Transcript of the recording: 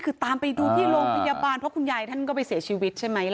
คือตามไปดูที่โรงพยาบาลเพราะคุณยายท่านก็ไปเสียชีวิตใช่ไหมล่ะ